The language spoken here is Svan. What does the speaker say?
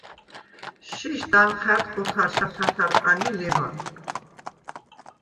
შიშდ ანჴა̈დხ ოთარშა თათარყან ი ლეუ̂ან.